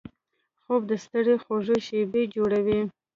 خوب د سړي خوږې شیبې جوړوي